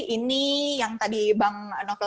ini yang tadi bang novel